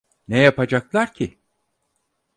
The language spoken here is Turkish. Ne yapacaklar ki?